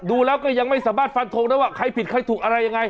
ดูแล้วก็ยังไม่สามารถฟันโทรเมืองนะวะ